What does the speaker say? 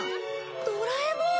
ドラえもん！